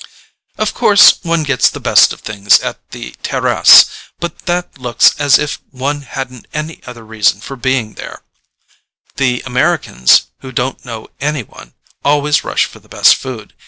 "Of course one gets the best things at the TERRASSE—but that looks as if one hadn't any other reason for being there: the Americans who don't know any one always rush for the best food.